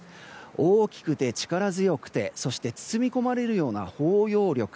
大きくて力強くて、そして包み込まれるような包容力。